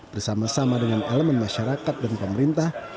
bersama sama dengan elemen masyarakat dan pemerintah